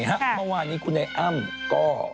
ตอนนี้คุณไอ้อ้ำก็